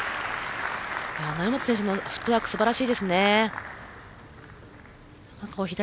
成本選手のフットワークすばらしいですね。